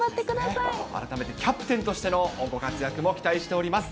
改めてキャプテンとしてのご活躍も期待しております。